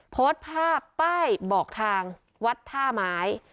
โพสต์ภาพป้ายบอกทางวัดท่าไม้